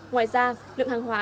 ngoài ra lượng hàng hóa